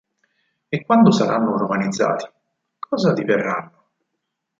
E quando saranno romanizzati, cosa diverranno?